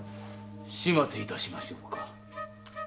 始末いたしましょうか。